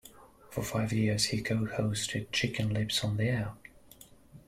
For five years he co-hosted Chicken Lips on the Air!